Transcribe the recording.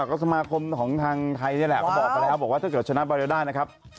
ก็สมาคมของทางไทยนี่แหละเขาบอกมาแล้วบอกว่าถ้าเกิดชนะบาเรด้านะครับ